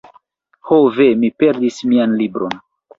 Ho ve! Mi perdis mian libron